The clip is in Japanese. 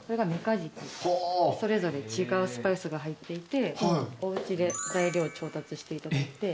それぞれ違うスパイスが入っていておうちで材料調達していただいて。